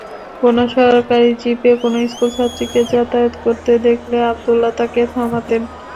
কোনো সরকারি জিপে কোনো স্কুলছাত্রছাত্রীকে যাতায়াত করতে দেখলে আবদুল্লাহ তাকে থামাতেন।